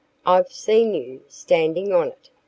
"I've seen you standing on it.